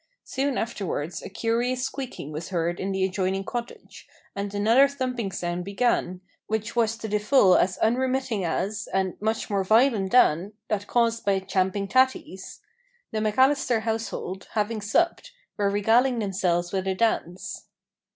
Soon afterwards a curious squeaking was heard in the adjoining cottage, and another thumping sound began, which was to the full as unremitting as, and much more violent than, that caused by "champin' tatties." The McAllister household, having supped, were regaling themselves with a dance.